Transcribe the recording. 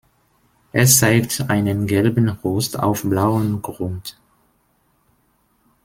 Es zeigt einen gelben Rost auf blauem Grund.